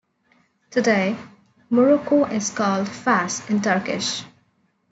Today, Morocco is called "Fas" in Turkish.